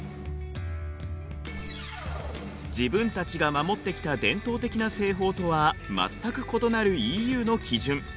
自分たちが守ってきた伝統的な製法とは全く異なるＥＵの基準。